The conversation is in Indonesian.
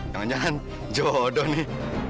jangan jangan jodoh nih